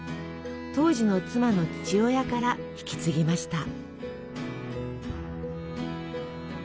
当時の妻の父親から引き継ぎました。